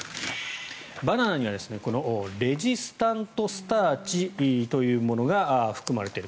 バナナにはレジスタントスターチというものが含まれている。